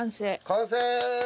完成！